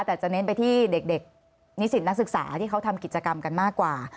แต่จะเน้นไปที่เด็กนิสิตนักศึกษาที่เขาทำกิจกรรมกันมากกว่า